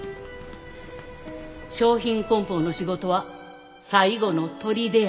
商品こん包の仕事は最後のとりでや。